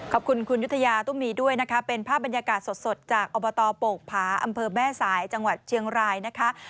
ขอบคุณคุณยุธยาตุ้มมีด้วยนะคะเป็นภาพบรรยากาศสดจากอบตโปกผาอำเภอแม่สายจังหวัดเชียงรายนะคะ